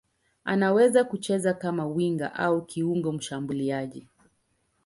Anaweza kucheza kama winga au kiungo mshambuliaji.